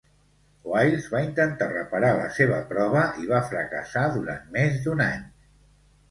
Wiles va intentar reparar la seva prova i va fracassar durant més d'un any.